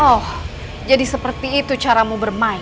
oh jadi seperti itu caramu bermain